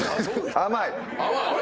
甘い？